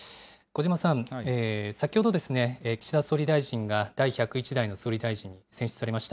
小嶋さん、先ほど、岸田総理大臣が第１０１代の総理大臣に選出されました。